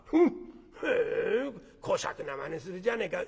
へえこしゃくなまねするじゃねえか。